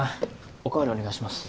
お代わりお願いします。